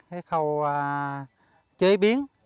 cái khâu chế biến